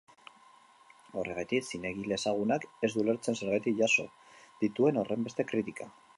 Horregatik, zinegile ezagunak ez du ulertzen zergatik jaso dituen horrenbeste kritika.